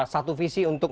satu visi untuk